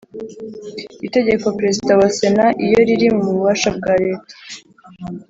itegeko Perezida wa Sena iyo riri mu bubasha bwa leta